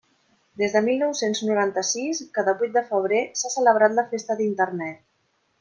Des de mil nou-cents noranta-sis, cada vuit de febrer, s'ha celebrat la Festa d'Internet.